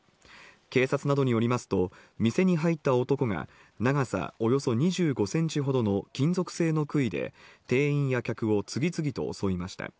警察などによりますと、店に入った男が長さおよそ２５センチほどの金属製のくいで、店員や客を次々と襲いました。